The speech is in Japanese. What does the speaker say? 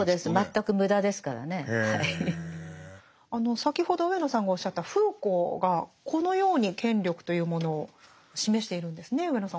先ほど上野さんがおっしゃったフーコーがこのように権力というものを示しているんですね上野さん。